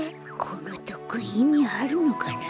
このとっくんいみあるのかな。